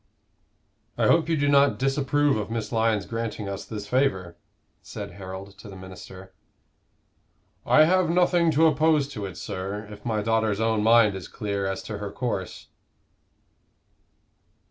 "I hope you do not disapprove of Miss Lyon's granting us this favor?" said Harold to the minister. "I have nothing to oppose to it, sir, if my daughter's own mind is clear as to her course."